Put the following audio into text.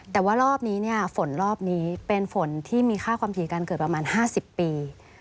แต่ว่ารอบนี้เนี่ยฝนรอบนี้เป็นฝนที่มีค่าความถี่การเกิดประมาณ๕๐ปี